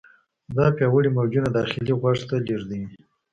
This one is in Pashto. دا پیاوړي موجونه داخلي غوږ ته لیږدوي.